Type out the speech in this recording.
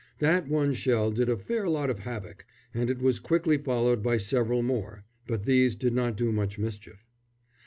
That one shell did a fair lot of havoc, and it was quickly followed by several more; but these did not do much mischief.